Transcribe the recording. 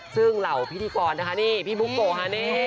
ซึ่งเหล่าพี่ดิฟรณ์นะคะนี่พี่บุ๊กโกะค่ะ